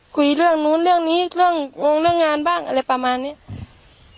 คุยเรื่องนู้นเรื่องนี้เรื่องวงเรื่องงานบ้างอะไรประมาณนี้